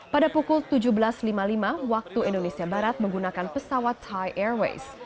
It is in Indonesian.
pada pukul tujuh belas lima puluh lima waktu indonesia barat menggunakan pesawat thai airways